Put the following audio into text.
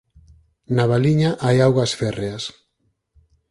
Na Valiña hai augas férreas.